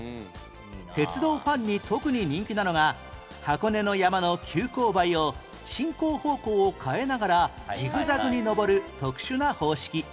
鉄道ファンに特に人気なのが箱根の山の急勾配を進行方向を変えながらジグザグに登る特殊な方式